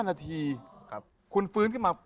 นาทีคุณฟื้นขึ้นมา